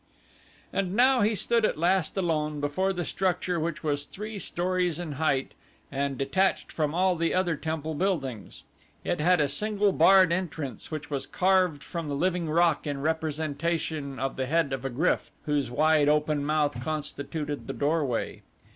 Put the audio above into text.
And now he stood at last alone before the structure which was three stories in height and detached from all the other temple buildings. It had a single barred entrance which was carved from the living rock in representation of the head of a GRYF, whose wide open mouth constituted the doorway.